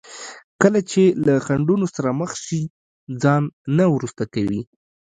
کله چې له خنډونو سره مخ شي ځان نه وروسته کوي.